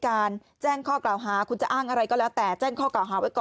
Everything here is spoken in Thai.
การแจ้งข้อกล่าวหาคุณจะอ้างอะไรก็แล้วแต่แจ้งข้อ